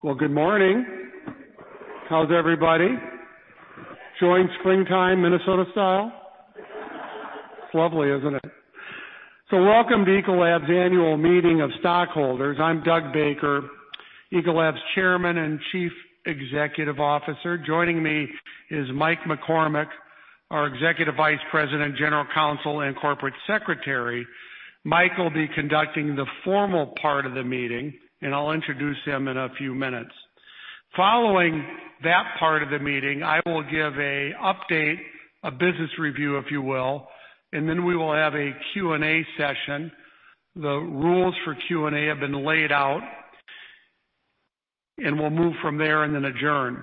Well, good morning. How's everybody? Enjoying springtime Minnesota style? It's lovely, isn't it? Welcome to Ecolab's annual meeting of stockholders. I'm Doug Baker, Ecolab's Chairman and Chief Executive Officer. Joining me is Mike McCormick, our Executive Vice President, General Counsel, and Corporate Secretary. Mike will be conducting the formal part of the meeting, and I'll introduce him in a few minutes. Following that part of the meeting, I will give an update, a business review, if you will, then we will have a Q&A session. The rules for Q&A have been laid out, we'll move from there and then adjourn.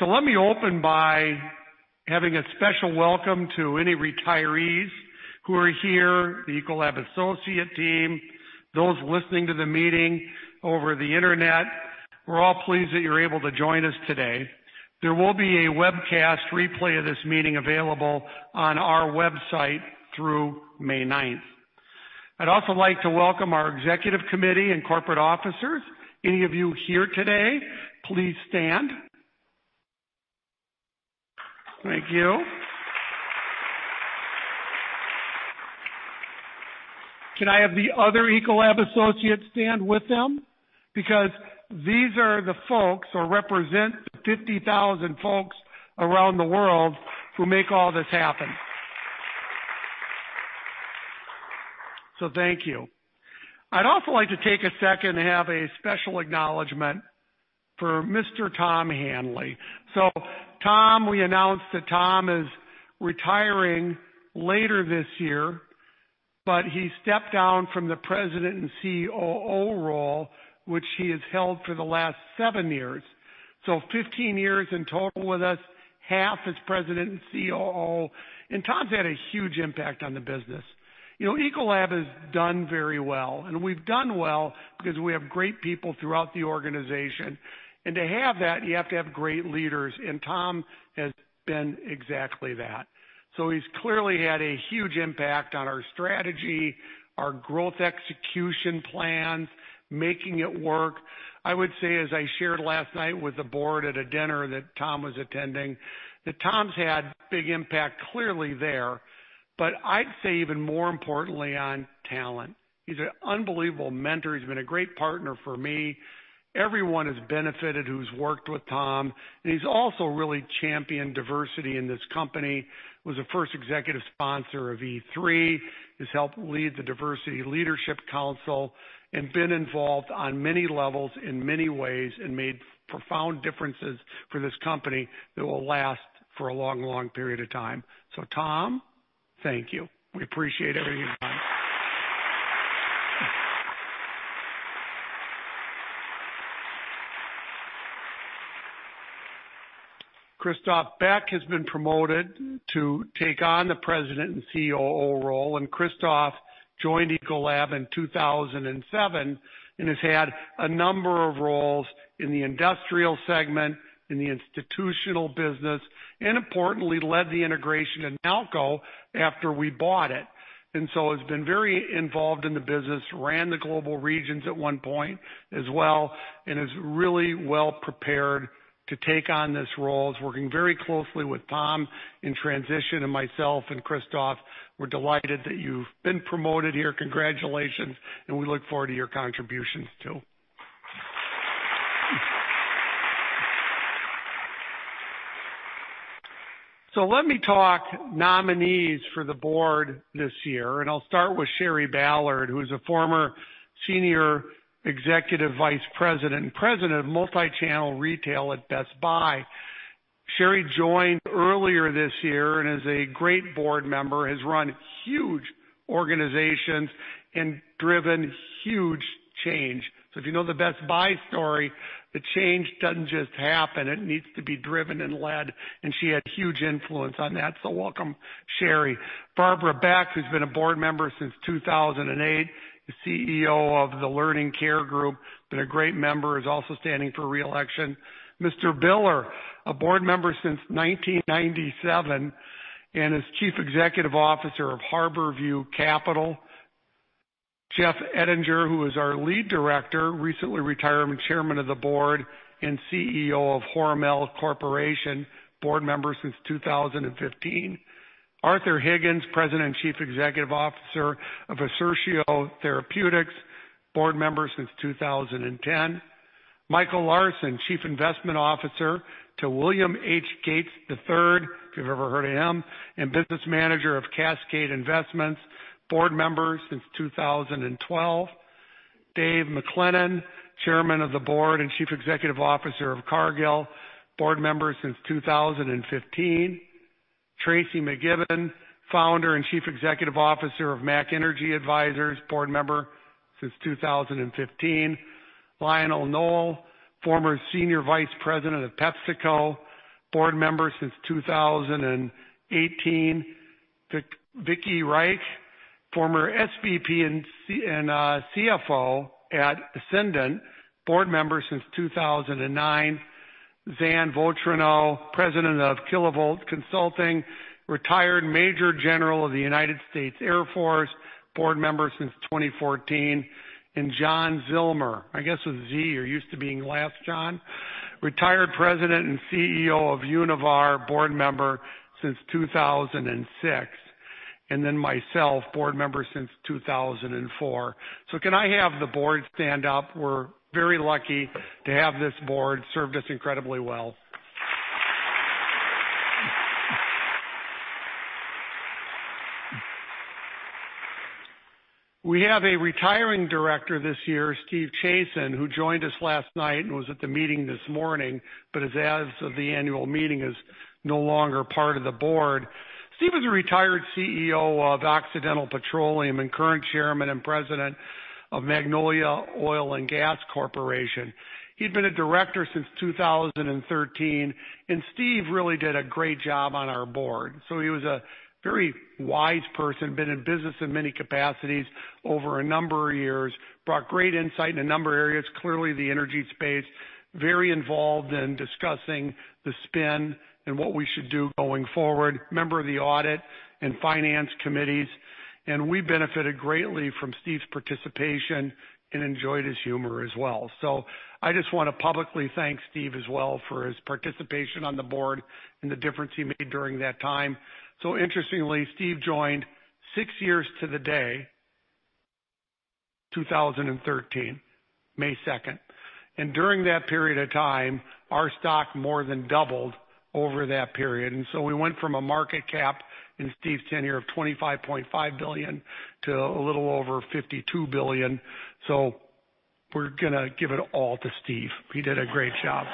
Let me open by having a special welcome to any retirees who are here, the Ecolab associate team, those listening to the meeting over the Internet. We're all pleased that you're able to join us today. There will be a webcast replay of this meeting available on our website through May 9th. I'd also like to welcome our executive committee and corporate officers. Any of you here today, please stand. Thank you. Can I have the other Ecolab associates stand with them? These are the folks who represent the 50,000 folks around the world who make all this happen. Thank you. I'd also like to take a second to have a special acknowledgment for Mr. Tom Handley. Tom, we announced that Tom is retiring later this year, but he stepped down from the President and COO role, which he has held for the last seven years. 15 years in total with us, half as President and COO, Tom's had a huge impact on the business. Ecolab has done very well, and we've done well because we have great people throughout the organization. To have that, you have to have great leaders, and Tom has been exactly that. He's clearly had a huge impact on our strategy, our growth execution plans, making it work. I would say, as I shared last night with the board at a dinner that Tom was attending, that Tom's had big impact clearly there, but I'd say even more importantly on talent. He's an unbelievable mentor. He's been a great partner for me. Everyone has benefited who's worked with Tom, and he's also really championed diversity in this company. He was the first executive sponsor of E3. He's helped lead the Diversity Leadership Council and been involved on many levels in many ways and made profound differences for this company that will last for a long period of time. Tom, thank you. We appreciate everything you've done. Christoph Beck has been promoted to take on the President and COO role, and Christoph joined Ecolab in 2007 and has had a number of roles in the industrial segment, in the institutional business, and importantly, led the integration of Nalco after we bought it. Has been very involved in the business, ran the global regions at one point as well, and is really well prepared to take on this role. He's working very closely with Tom in transition and myself and Christoph. We're delighted that you've been promoted here. Congratulations, we look forward to your contributions, too. Let me talk nominees for the board this year, and I'll start with Shari Ballard, who's a former Senior Executive Vice President and President of Multichannel Retail at Best Buy. Shari joined earlier this year and is a great board member, has run huge organizations and driven huge change. If you know the Best Buy story, the change doesn't just happen. It needs to be driven and led, and she had huge influence on that. Welcome, Shari. Barbara Beck, who's been a board member since 2008, the CEO of the Learning Care Group, been a great member, is also standing for re-election. Mr. Biller, a board member since 1997 and is Chief Executive Officer of Harborview Capital. Jeff Ettinger, who is our lead director, recently retired Chairman of the Board and CEO of Hormel Corporation, board member since 2015. Arthur Higgins, President and Chief Executive Officer of Assertio Therapeutics, board member since 2010. Michael Larson, Chief Investment Officer to William H. Gates III, if you've ever heard of him, and Business Manager of Cascade Investment, board member since 2012. Dave MacLennan, Chairman of the Board and Chief Executive Officer of Cargill, board member since 2015. Tracy McKibben, Founder and Chief Executive Officer of MAC Energy Advisors, board member since 2015. Lionel Nowell, former Senior Vice President of PepsiCo, board member since 2018. Vicki Reich, former SVP and CFO at Ascendant, board member since 2009. Zan Vautrinot, President of Kilovolt Consulting, retired Major General of the United States Air Force, board member since 2014, and John Zillmer. I guess with Z, you're used to being last, John. Retired president and CEO of Univar, board member since 2006, and then myself, board member since 2004. Can I have the board stand up? We're very lucky to have this board. Served us incredibly well. We have a retiring director this year, Steve Chazen, who joined us last night and was at the meeting this morning, but as of the annual meeting is no longer part of the board. Steve is a retired CEO of Occidental Petroleum and current chairman and president of Magnolia Oil & Gas Corporation. He'd been a director since 2013, and Steve really did a great job on our board. He was a very wise person, been in business in many capacities over a number of years, brought great insight in a number of areas, clearly the energy space, very involved in discussing the spin and what we should do going forward, member of the Audit and Finance Committees, and we benefited greatly from Steve's participation and enjoyed his humor as well. I just want to publicly thank Steve as well for his participation on the board and the difference he made during that time. Interestingly, Steve joined six years to the day, 2013, May 2nd. During that period of time, our stock more than doubled over that period. We went from a market cap in Steve's tenure of $25.5 billion to a little over $52 billion. We're going to give it all to Steve. He did a great job.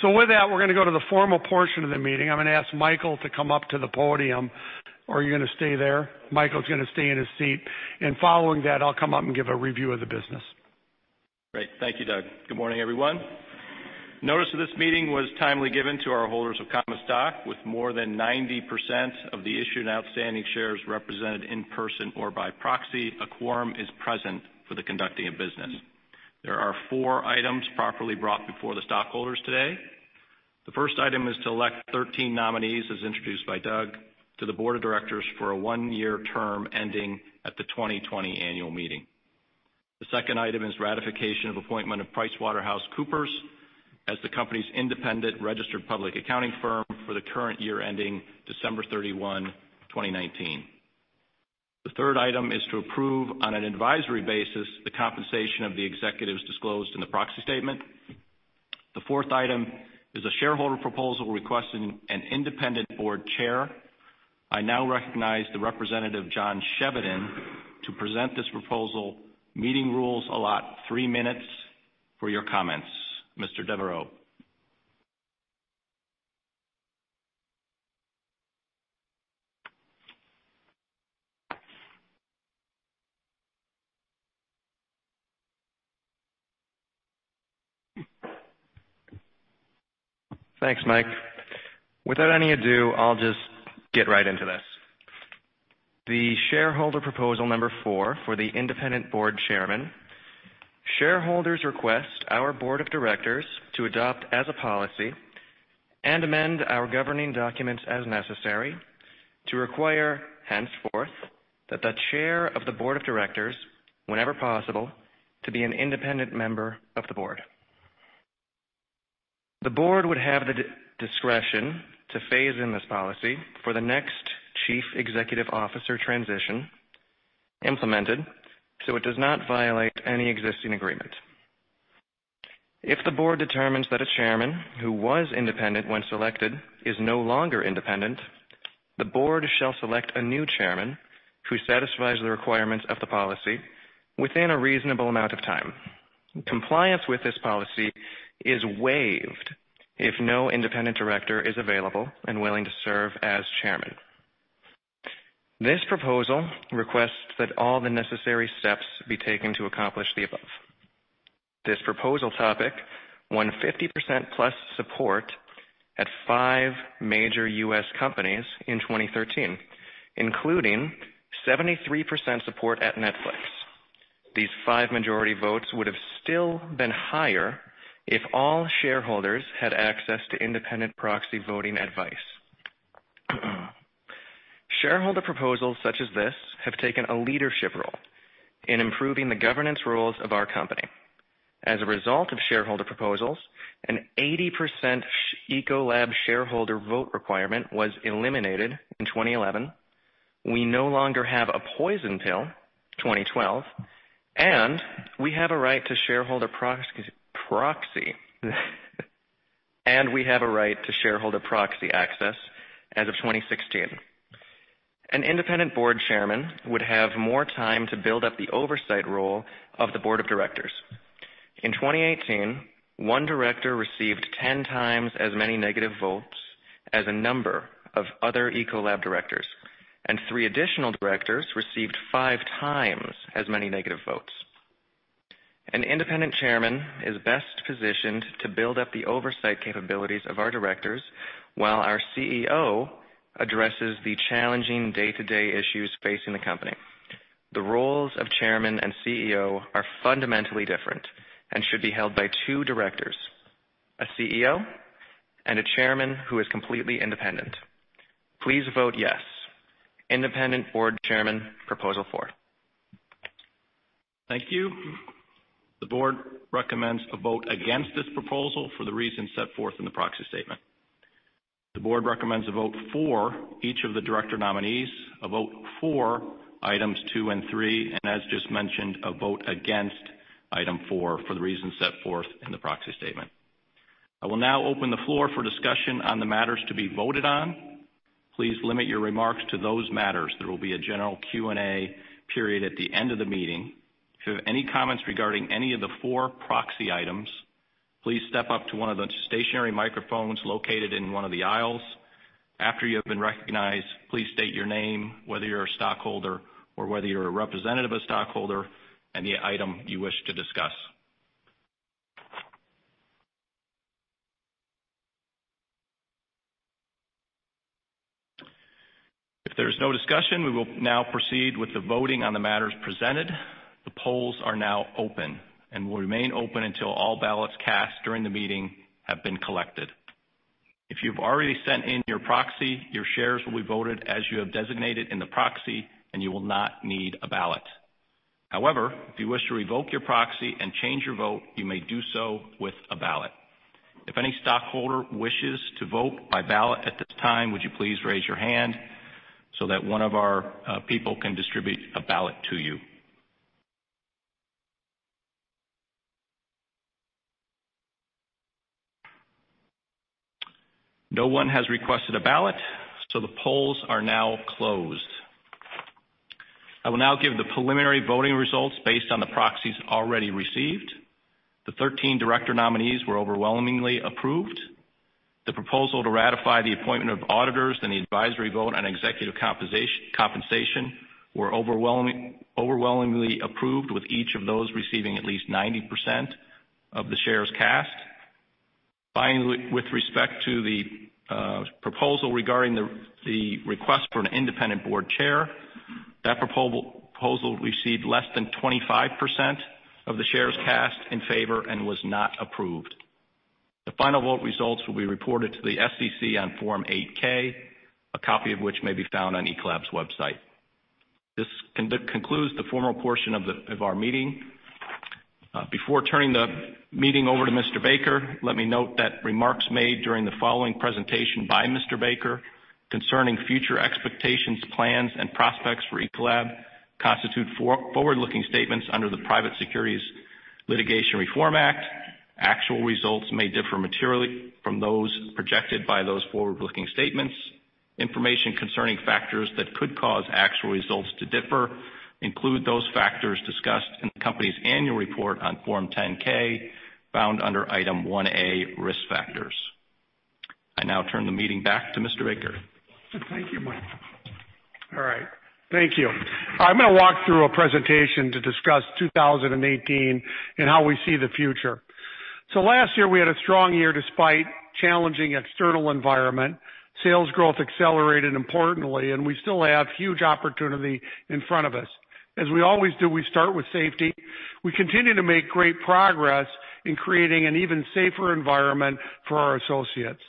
With that, we're going to go to the formal portion of the meeting. I'm going to ask Michael to come up to the podium. Or are you going to stay there? Michael's going to stay in his seat. Following that, I'll come up and give a review of the business. Great. Thank you, Doug. Good morning, everyone. Notice of this meeting was timely given to our holders of common stock with more than 90% of the issued and outstanding shares represented in person or by proxy. A quorum is present for the conducting of business. There are four items properly brought before the stockholders today. The first item is to elect 13 nominees, as introduced by Doug, to the board of directors for a one-year term ending at the 2020 annual meeting. The second item is ratification of appointment of PricewaterhouseCoopers as the company's independent registered public accounting firm for the current year ending December 31, 2019. The third item is to approve, on an advisory basis, the compensation of the executives disclosed in the proxy statement. The fourth item is a shareholder proposal requesting an independent board chair. I now recognize the representative, John Chevedden, to present this proposal. Meeting rules allot three minutes for your comments, Mr. Devereaux. Thanks, Mike. Without any ado, I'll just get right into this. The shareholder proposal number four for the independent board chairman. Shareholders request our board of directors to adopt as a policy and amend our governing documents as necessary to require henceforth that the chair of the board of directors, whenever possible, to be an independent member of the board. The board would have the discretion to phase in this policy for the next chief executive officer transition implemented, so it does not violate any existing agreement. If the board determines that a chairman who was independent when selected is no longer independent, the board shall select a new chairman who satisfies the requirements of the policy within a reasonable amount of time. Compliance with this policy is waived if no independent director is available and willing to serve as chairman. This proposal requests that all the necessary steps be taken to accomplish the above. This proposal topic won 50%-plus support at five major U.S. companies in 2013, including 73% support at Netflix. These five majority votes would have still been higher if all shareholders had access to independent proxy voting advice. Shareholder proposals such as this have taken a leadership role in improving the governance rules of our company. As a result of shareholder proposals, an 80% Ecolab shareholder vote requirement was eliminated in 2011. We no longer have a poison pill, 2012, and we have a right to shareholder proxy access as of 2016. An independent board chairman would have more time to build up the oversight role of the board of directors. In 2018, one director received 10 times as many negative votes as a number of other Ecolab directors, and three additional directors received five times as many negative votes. An independent chairman is best positioned to build up the oversight capabilities of our directors while our CEO addresses the challenging day-to-day issues facing the company. The roles of chairman and CEO are fundamentally different and should be held by two directors, a CEO and a chairman who is completely independent. Please vote yes, independent board chairman Proposal 4. Thank you. The board recommends a vote against this proposal for the reasons set forth in the proxy statement. The board recommends a vote for each of the director nominees, a vote for items two and three, and as just mentioned, a vote against item 4 for the reasons set forth in the proxy statement. I will now open the floor for discussion on the matters to be voted on. Please limit your remarks to those matters. There will be a general Q&A period at the end of the meeting. If you have any comments regarding any of the four proxy items, please step up to one of the stationary microphones located in one of the aisles. After you have been recognized, please state your name, whether you're a stockholder or whether you're a representative of stockholder, and the item you wish to discuss. If there's no discussion, we will now proceed with the voting on the matters presented. The polls are now open and will remain open until all ballots cast during the meeting have been collected. If you've already sent in your proxy, your shares will be voted as you have designated in the proxy and you will not need a ballot. However, if you wish to revoke your proxy and change your vote, you may do so with a ballot. If any stockholder wishes to vote by ballot at this time, would you please raise your hand so that one of our people can distribute a ballot to you? No one has requested a ballot, so the polls are now closed. I will now give the preliminary voting results based on the proxies already received. The 13 director nominees were overwhelmingly approved. The proposal to ratify the appointment of auditors and the advisory vote on executive compensation were overwhelmingly approved with each of those receiving at least 90% of the shares cast. Finally, with respect to the proposal regarding the request for an independent board chair, that proposal received less than 25% of the shares cast in favor and was not approved. The final vote results will be reported to the SEC on Form 8-K, a copy of which may be found on Ecolab's website. This concludes the formal portion of our meeting. Before turning the meeting over to Mr. Baker, let me note that remarks made during the following presentation by Mr. Baker concerning future expectations, plans, and prospects for Ecolab constitute forward-looking statements under the Private Securities Litigation Reform Act. Actual results may differ materially from those projected by those forward-looking statements. Information concerning factors that could cause actual results to differ include those factors discussed in the company's annual report on Form 10-K, found under Item 1A, Risk Factors. I now turn the meeting back to Mr. Baker. Thank you, Mike. All right. Thank you. I'm going to walk through a presentation to discuss 2018 and how we see the future. Last year, we had a strong year despite challenging external environment. Sales growth accelerated importantly, and we still have huge opportunity in front of us. As we always do, we start with safety. We continue to make great progress in creating an even safer environment for our associates.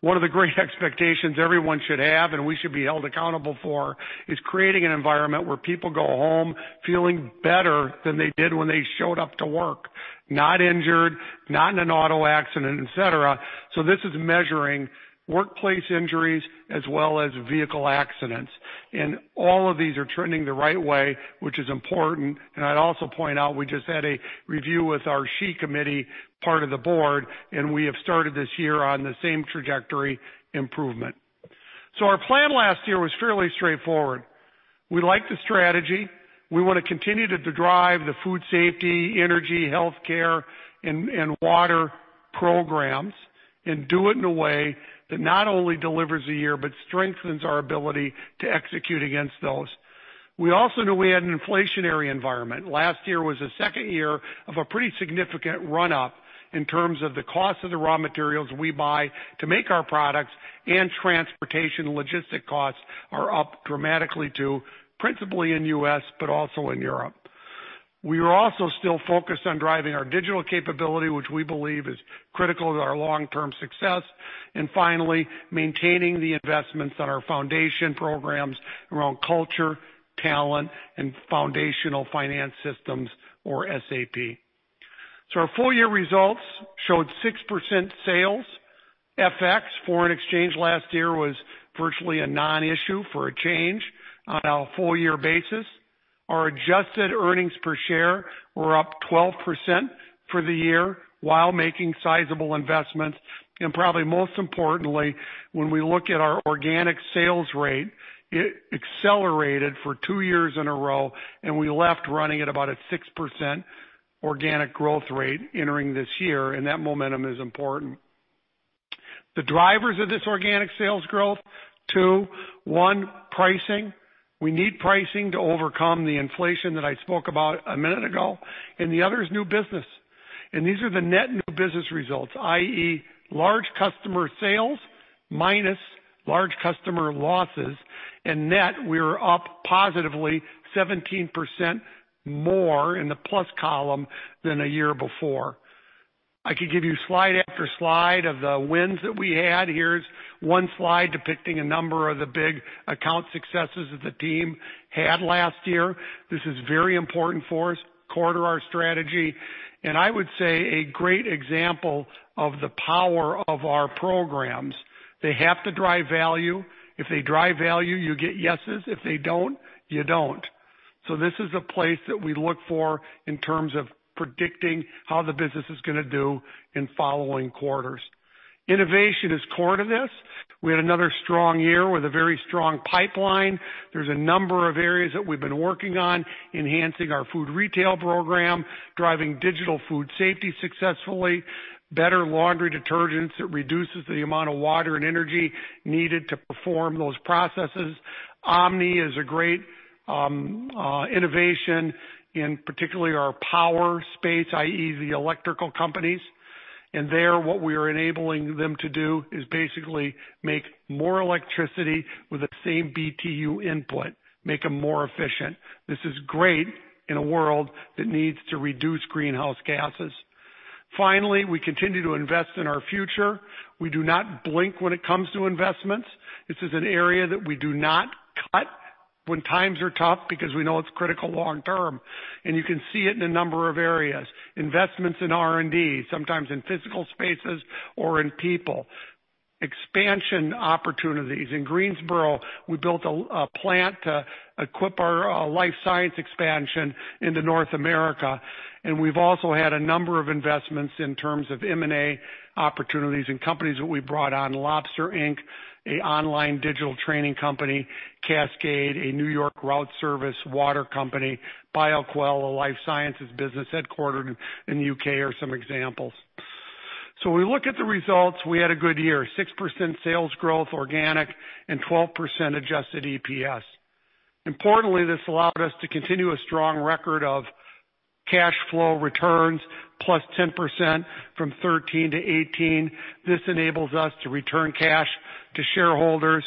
One of the great expectations everyone should have, and we should be held accountable for is creating an environment where people go home feeling better than they did when they showed up to work. Not injured, not in an auto accident, et cetera. This is measuring workplace injuries as well as vehicle accidents. All of these are trending the right way, which is important. I'd also point out, we just had a review with our Safety, Health & Environment Committee, part of the board, and we have started this year on the same trajectory improvement. Our plan last year was fairly straightforward. We like the strategy. We want to continue to drive the food safety, energy, healthcare, and water programs and do it in a way that not only delivers a year but strengthens our ability to execute against those. We also knew we had an inflationary environment. Last year was the second year of a pretty significant run-up in terms of the cost of the raw materials we buy to make our products, and transportation logistic costs are up dramatically too, principally in U.S., but also in Europe. We are also still focused on driving our digital capability, which we believe is critical to our long-term success. Finally, maintaining the investments on our foundation programs around culture, talent, and foundational finance systems or SAP. Our full-year results showed 6% sales. FX, foreign exchange last year was virtually a non-issue for a change on our full-year basis. Our adjusted EPS were up 12% for the year while making sizable investments. Probably most importantly, when we look at our organic sales rate, it accelerated for two years in a row, and we left running at about a 6% organic growth rate entering this year, and that momentum is important. The drivers of this organic sales growth, two. One, pricing. We need pricing to overcome the inflation that I spoke about a minute ago, and the other is new business. These are the net new business results, i.e., large customer sales minus large customer losses. In net, we're up positively 17% more in the plus column than a year before. I could give you slide after slide of the wins that we had. Here's one slide depicting a number of the big account successes that the team had last year. This is very important for us, core to our strategy, and I would say a great example of the power of our programs. They have to drive value. If they drive value, you get yeses. If they don't, you don't. This is a place that we look for in terms of predicting how the business is going to do in following quarters. Innovation is core to this. We had another strong year with a very strong pipeline. There's a number of areas that we've been working on, enhancing our food retail program, driving digital food safety successfully, better laundry detergents that reduces the amount of water and energy needed to perform those processes. OMNI is a great innovation in particularly our power space, i.e., the electrical companies. There, what we are enabling them to do is basically make more electricity with the same BTU input, make them more efficient. This is great in a world that needs to reduce greenhouse gases. Finally, we continue to invest in our future. We do not blink when it comes to investments. This is an area that we do not cut when times are tough because we know it's critical long term, and you can see it in a number of areas. Investments in R&D, sometimes in physical spaces or in people. Expansion opportunities. In Greensboro, we built a plant to equip our life science expansion into North America, and we've also had a number of investments in terms of M&A opportunities and companies that we brought on. Lobster Ink, an online digital training company, Cascade, a New York route service water company, Bioquell, a life sciences business headquartered in U.K., are some examples. When we look at the results, we had a good year, 6% sales growth organic and 12% adjusted EPS. Importantly, this allowed us to continue a strong record of cash flow returns, plus 10% from 2013 to 2018. This enables us to return cash to shareholders.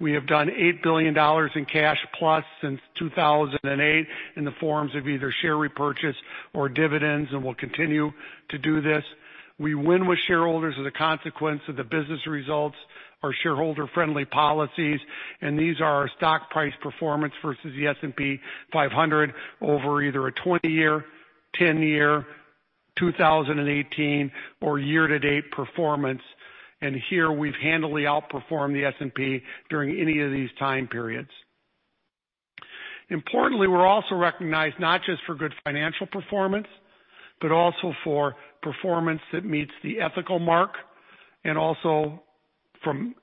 We have done $8 billion in cash plus since 2008 in the forms of either share repurchase or dividends, and we'll continue to do this. We win with shareholders as a consequence of the business results, our shareholder-friendly policies, and these are our stock price performance versus the S&P 500 over either a 20-year, 10-year, 2018, or year-to-date performance. Here we've handily outperformed the S&P during any of these time periods. Importantly, we're also recognized not just for good financial performance, but also for performance that meets the ethical mark and also from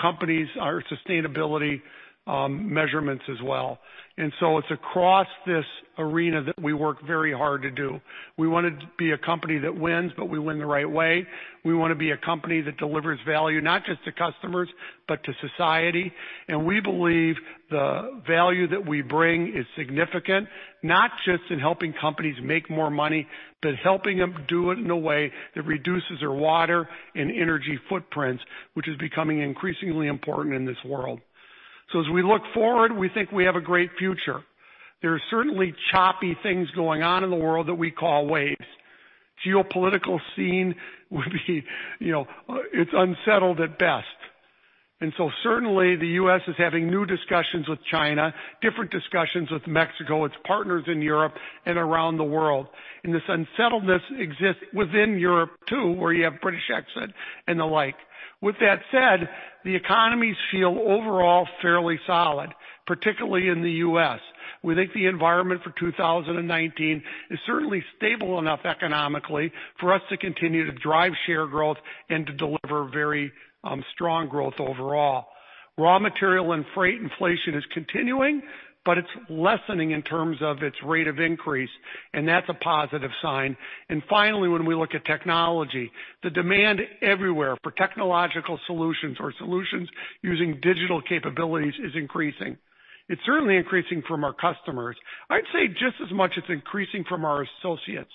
companies, our sustainability measurements as well. It's across this arena that we work very hard to do. We want to be a company that wins, but we win the right way. We want to be a company that delivers value not just to customers, but to society. We believe the value that we bring is significant, not just in helping companies make more money, but helping them do it in a way that reduces their water and energy footprints, which is becoming increasingly important in this world. As we look forward, we think we have a great future. There are certainly choppy things going on in the world that we call waves. Geopolitical scene would be, it's unsettled at best. Certainly the U.S. is having new discussions with China, different discussions with Mexico, its partners in Europe, and around the world. This unsettledness exists within Europe too, where you have Brexit and the like. With that said, the economies feel overall fairly solid, particularly in the U.S. We think the environment for 2019 is certainly stable enough economically for us to continue to drive share growth and to deliver very strong growth overall. Raw material and freight inflation is continuing, but it's lessening in terms of its rate of increase, and that's a positive sign. Finally, when we look at technology, the demand everywhere for technological solutions or solutions using digital capabilities is increasing. It's certainly increasing from our customers. I'd say just as much it's increasing from our associates.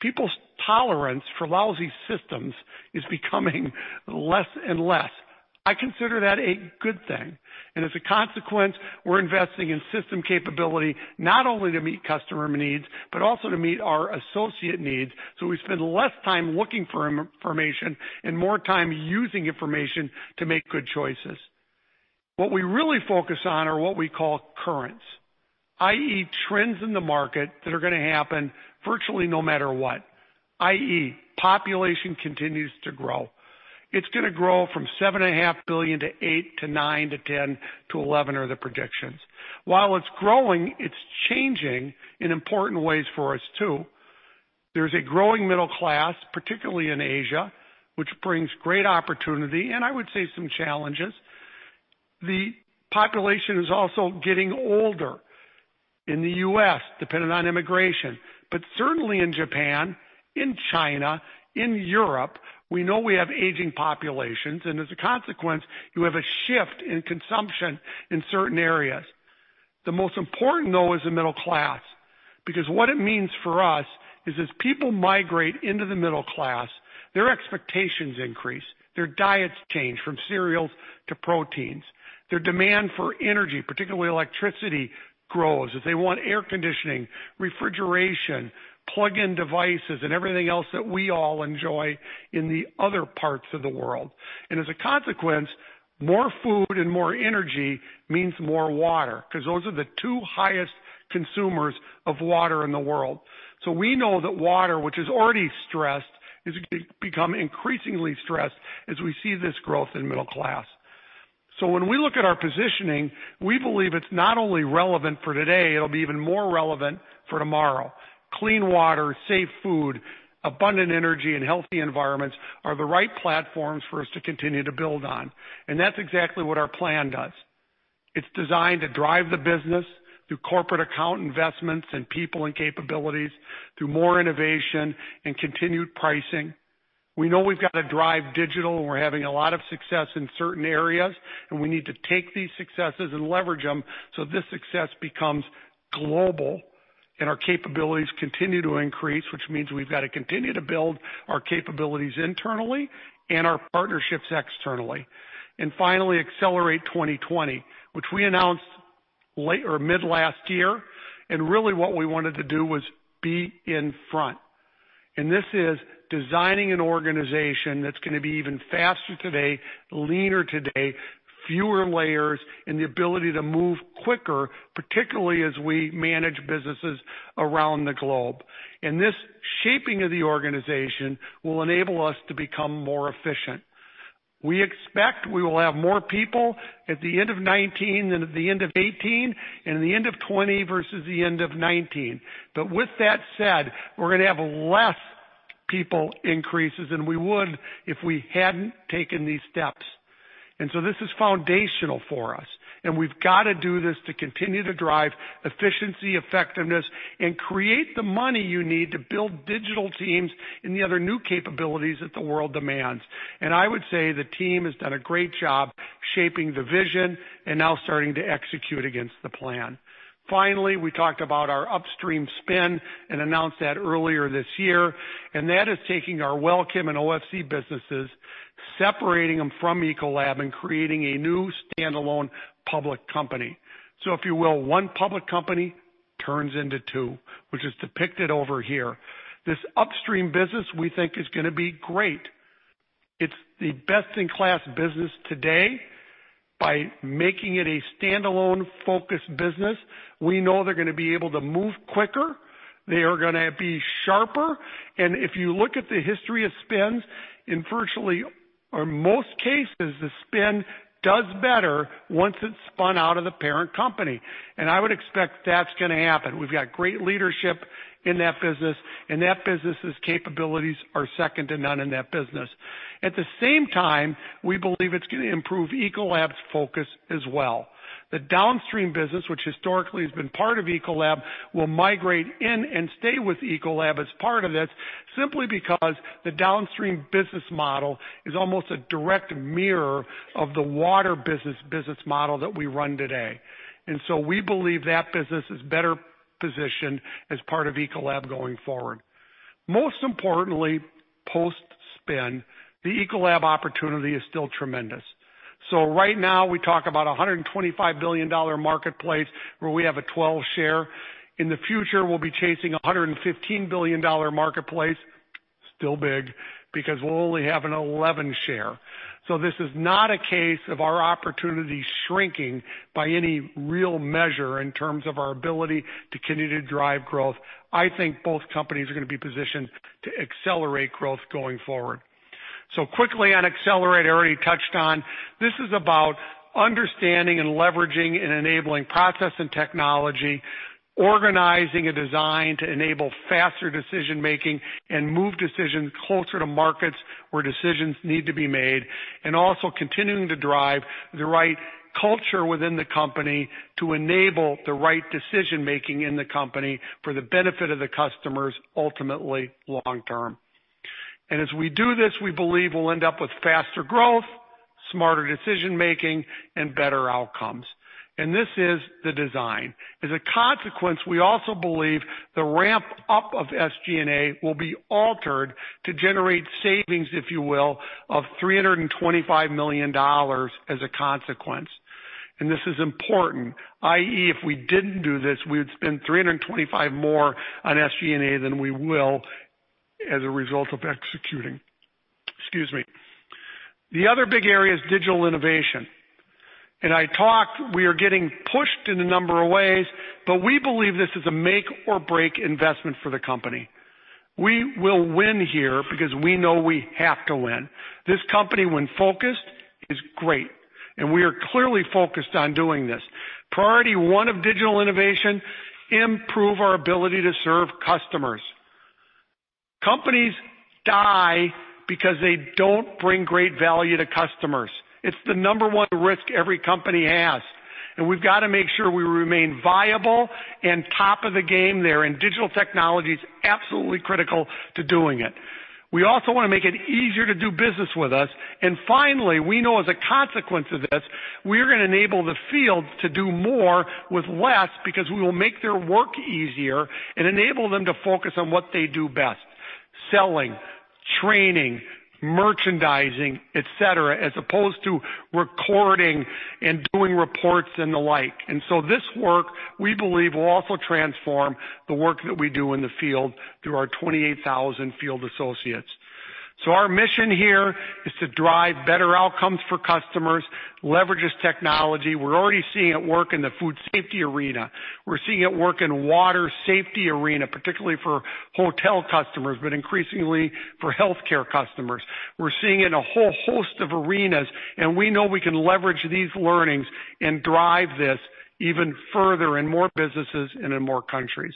People's tolerance for lousy systems is becoming less and less. I consider that a good thing. As a consequence, we're investing in system capability not only to meet customer needs, but also to meet our associate needs, so we spend less time looking for information and more time using information to make good choices. What we really focus on are what we call currents, i.e., trends in the market that are going to happen virtually no matter what, i.e., population continues to grow. It's going to grow from 7.5 billion to 8 to 9 to 10 to 11 are the predictions. While it's growing, it's changing in important ways for us too. There's a growing middle class, particularly in Asia, which brings great opportunity, and I would say some challenges. The population is also getting older in the U.S., dependent on immigration. Certainly in Japan, in China, in Europe, we know we have aging populations, and as a consequence, you have a shift in consumption in certain areas. The most important though is the middle class, because what it means for us is as people migrate into the middle class, their expectations increase, their diets change from cereals to proteins, their demand for energy, particularly electricity, grows as they want air conditioning, refrigeration, plug-in devices, and everything else that we all enjoy in the other parts of the world. As a consequence, more food and more energy means more water, because those are the two highest consumers of water in the world. We know that water, which is already stressed, is become increasingly stressed as we see this growth in middle class. When we look at our positioning, we believe it's not only relevant for today, it'll be even more relevant for tomorrow. Clean water, safe food, abundant energy, and healthy environments are the right platforms for us to continue to build on. That's exactly what our plan does. It's designed to drive the business through corporate account investments and people and capabilities, through more innovation and continued pricing. We know we've got to drive digital, and we're having a lot of success in certain areas, and we need to take these successes and leverage them so this success becomes global and our capabilities continue to increase, which means we've got to continue to build our capabilities internally and our partnerships externally. Finally, Accelerate 2020, which we announced mid-last year, and really what we wanted to do was be in front. This is designing an organization that's going to be even faster today, leaner today, fewer layers, and the ability to move quicker, particularly as we manage businesses around the globe. This shaping of the organization will enable us to become more efficient. We expect we will have more people at the end of 2019 than at the end of 2018, and at the end of 2020 versus the end of 2019. With that said, we're going to have less people increases than we would if we hadn't taken these steps. This is foundational for us, and we've got to do this to continue to drive efficiency, effectiveness, and create the money you need to build digital teams and the other new capabilities that the world demands. I would say the team has done a great job shaping the vision and now starting to execute against the plan. Finally, we talked about our upstream spin and announced that earlier this year, and that is taking our WellChem and OFC businesses, separating them from Ecolab, and creating a new standalone public company. If you will, one public company turns into two, which is depicted over here. This upstream business we think is going to be great. It's the best-in-class business today. By making it a standalone focused business, we know they're going to be able to move quicker. They are going to be sharper. If you look at the history of spins, in virtually or most cases, the spin does better once it's spun out of the parent company. I would expect that's going to happen. We've got great leadership in that business, and that business's capabilities are second to none in that business. At the same time, we believe it's going to improve Ecolab's focus as well. The downstream business, which historically has been part of Ecolab, will migrate in and stay with Ecolab as part of this, simply because the downstream business model is almost a direct mirror of the water business model that we run today. We believe that business is better positioned as part of Ecolab going forward. Most importantly, post-spin, the Ecolab opportunity is still tremendous. Right now, we talk about a $125 billion marketplace where we have a 12% share. In the future, we'll be chasing a $115 billion marketplace, still big, because we'll only have an 11% share. This is not a case of our opportunity shrinking by any real measure in terms of our ability to continue to drive growth. I think both companies are going to be positioned to accelerate growth going forward. Quickly on Accelerate, I already touched on, this is about understanding and leveraging and enabling process and technology, organizing a design to enable faster decision-making, and move decisions closer to markets where decisions need to be made, and also continuing to drive the right culture within the company to enable the right decision-making in the company for the benefit of the customers, ultimately, long-term. As we do this, we believe we'll end up with faster growth, smarter decision-making, and better outcomes. This is the design. As a consequence, we also believe the ramp-up of SG&A will be altered to generate savings, if you will, of $325 million as a consequence. This is important, i.e., if we didn't do this, we would spend 325 more on SG&A than we will as a result of executing. Excuse me. The other big area is digital innovation. I talked, we are getting pushed in a number of ways, but we believe this is a make or break investment for the company. We will win here because we know we have to win. This company, when focused, is great, and we are clearly focused on doing this. Priority one of digital innovation, improve our ability to serve customers. Companies die because they don't bring great value to customers. It's the number one risk every company has, we've got to make sure we remain viable and top of the game there, and digital technology is absolutely critical to doing it. We also want to make it easier to do business with us. Finally, we know as a consequence of this, we're going to enable the field to do more with less because we will make their work easier and enable them to focus on what they do best, selling, training, merchandising, et cetera, as opposed to recording and doing reports and the like. This work, we believe, will also transform the work that we do in the field through our 28,000 field associates. Our mission here is to drive better outcomes for customers, leverage this technology. We're already seeing it work in the food safety arena. We're seeing it work in water safety arena, particularly for hotel customers, but increasingly for healthcare customers. We're seeing it in a whole host of arenas, we know we can leverage these learnings and drive this even further in more businesses and in more countries.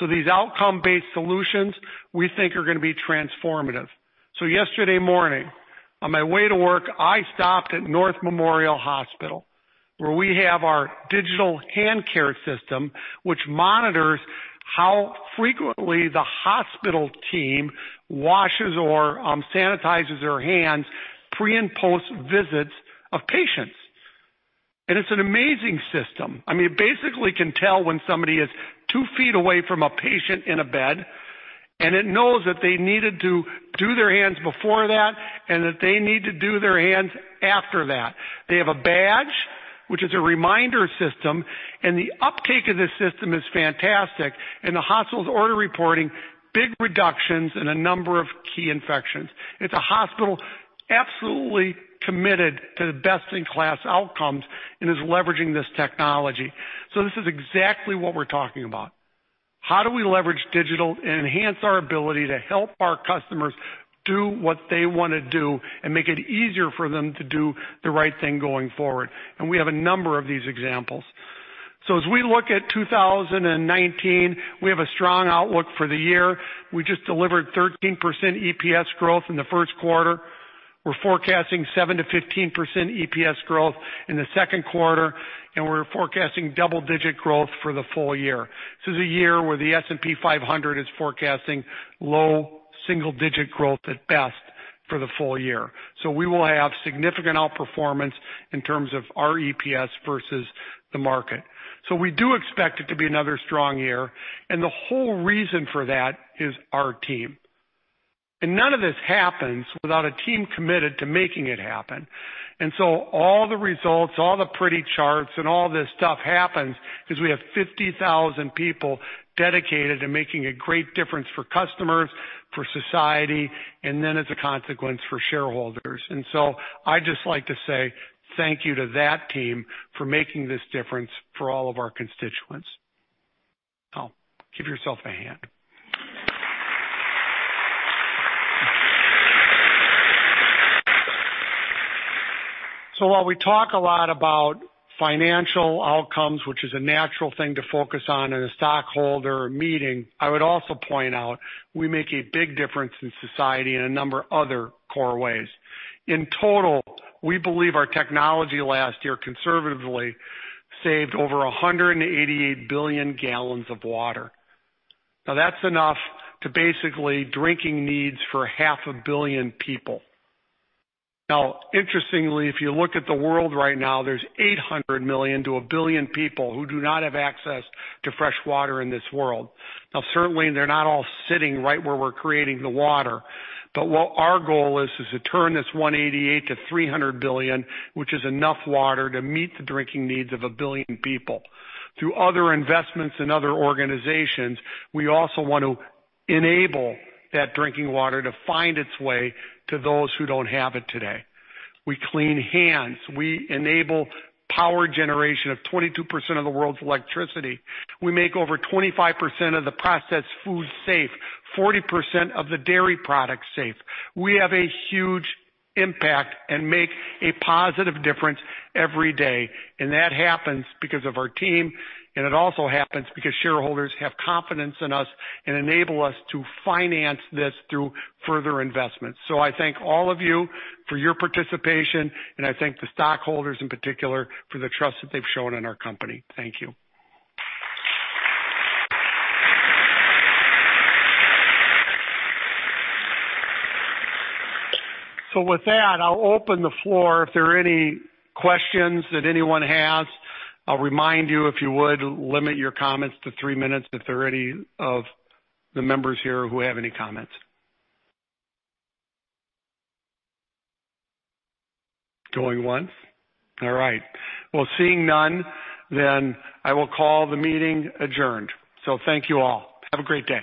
These outcome-based solutions we think are going to be transformative. Yesterday morning, on my way to work, I stopped at North Memorial Hospital, where we have our digital hand care system, which monitors how frequently the hospital team washes or sanitizes their hands pre and post visits of patients. It's an amazing system. It basically can tell when somebody is two feet away from a patient in a bed, it knows that they needed to do their hands before that and that they need to do their hands after that. They have a badge, which is a reminder system, the uptake of this system is fantastic, the hospitals order reporting big reductions in a number of key infections. It's a hospital absolutely committed to the best-in-class outcomes and is leveraging this technology. This is exactly what we're talking about. How do we leverage digital and enhance our ability to help our customers do what they want to do and make it easier for them to do the right thing going forward? We have a number of these examples. As we look at 2019, we have a strong outlook for the year. We just delivered 13% EPS growth in the first quarter. We're forecasting 7%-15% EPS growth in the second quarter, and we're forecasting double-digit growth for the full year. This is a year where the S&P 500 is forecasting low single-digit growth at best for the full year. We will have significant outperformance in terms of our EPS versus the market. We do expect it to be another strong year, and the whole reason for that is our team. None of this happens without a team committed to making it happen. All the results, all the pretty charts, and all this stuff happens because we have 50,000 people dedicated and making a great difference for customers, for society, and then as a consequence for shareholders. I'd just like to say thank you to that team for making this difference for all of our constituents. Give yourself a hand. While we talk a lot about financial outcomes, which is a natural thing to focus on in a stockholder meeting, I would also point out we make a big difference in society in a number of other core ways. In total, we believe our technology last year conservatively saved over 188 billion gallons of water. That's enough to basically drinking needs for half a billion people. Interestingly, if you look at the world right now, there's 800 million to 1 billion people who do not have access to fresh water in this world. Certainly, they're not all sitting right where we're creating the water. What our goal is to turn this 188 to 300 billion, which is enough water to meet the drinking needs of 1 billion people. Through other investments in other organizations, we also want to enable that drinking water to find its way to those who don't have it today. We clean hands. We enable power generation of 22% of the world's electricity. We make over 25% of the processed food safe, 40% of the dairy products safe. We have a huge impact and make a positive difference every day, and that happens because of our team, and it also happens because shareholders have confidence in us and enable us to finance this through further investments. I thank all of you for your participation, and I thank the stockholders in particular for the trust that they've shown in our company. Thank you. With that, I'll open the floor if there are any questions that anyone has. I'll remind you, if you would, limit your comments to three minutes, if there are any of the members here who have any comments. Going once. All right. Seeing none, I will call the meeting adjourned. Thank you all. Have a great day.